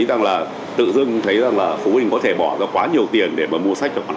nghĩ rằng là tự dưng thấy rằng là phụ huynh có thể bỏ ra quá nhiều tiền để mà mua sách cho con học